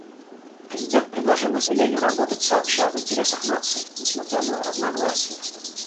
Президент предложил населению работать сообща в интересах нации, несмотря на разногласия.